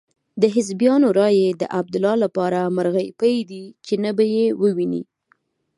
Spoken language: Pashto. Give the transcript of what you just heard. د حزبیانو رایې د عبدالله لپاره مرغۍ پۍ دي چې نه به يې وویني.